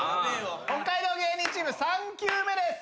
北海道芸人チーム３球目です。